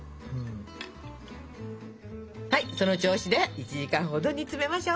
はいその調子で１時間ほど煮つめましょう。